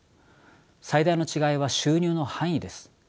最大の違いは収入の範囲です。